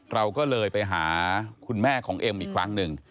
เราก็เลยไปหาคุณแม่ของเอ็มอีกครั้งหนึ่ง